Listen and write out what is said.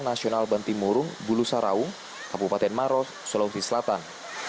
nasional bantimurung bulusaraung kebupaten maros sulawesi selatan